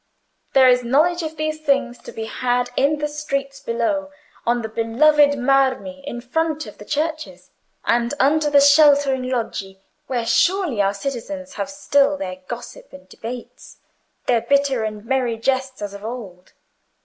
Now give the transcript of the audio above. "There is knowledge of these things to be had in the streets below, on the beloved marmi in front of the churches, and under the sheltering Loggie, where surely our citizens have still their gossip and debates, their bitter and merry jests as of old.